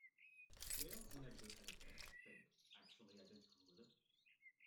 Dale and Edgar Hennecke think, actually identical with it.